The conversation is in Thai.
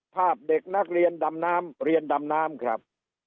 เด็กนักเรียนดำน้ำเรียนดำน้ำครับ